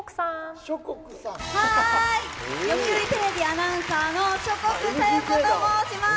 読売テレビアナウンサーの諸國沙代子と申します。